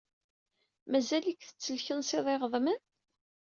Mazal-ik tettelkensiḍ iɣeḍmen?